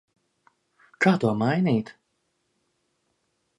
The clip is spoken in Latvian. Kā to mainīt?